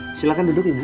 eh silakan duduk ibu